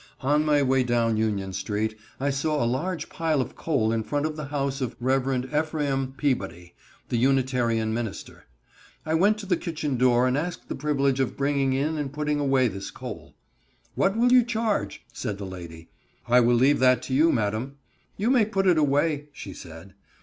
On my way down Union street I saw a large pile of coal in front of the house of Rev. Ephraim Peabody, the Unitarian minister. I went to the kitchen door and asked the privilege of bringing in and putting away this coal. "What will you charge?" said the lady. "I will leave that to you, madam." "You may put it away," she said.